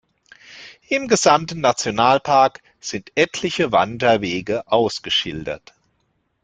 Im gesamten Nationalpark sind etliche Wanderwege ausgeschildert.